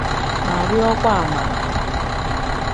ma rịọkwa amara